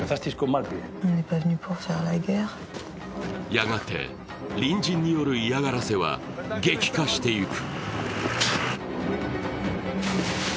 やがて隣人による嫌がらせは激化していく。